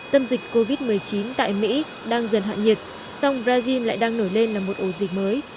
tâm dịch covid một mươi chín tại mỹ đang dần hạn nhiệt song brazil lại đang nổi lên là một ổ dịch mới